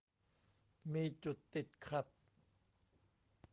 มีจุดติดขัด